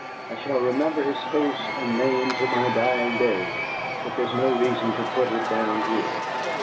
I shall remember his face and name to my dying day; but there is no reason to put it down here.